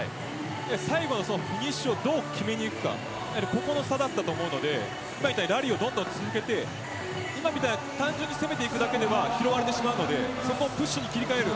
最後のフィニッシュをどう決めにいくかここの差だったと思うのでラリーをどんどん続けて単純に攻めていくだけでは拾われてしまうので切り替える。